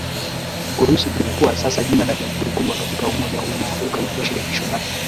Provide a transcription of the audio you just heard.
Urusi lilikuwa sasa jina la jamhuri kubwa katika umoja huu nao ukaitwa Shirikisho la